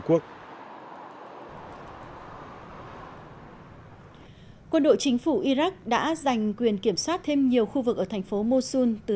cuộc quân đội chính phủ iraq đã giành quyền kiểm soát thêm nhiều khu vực ở thành phố mosun từ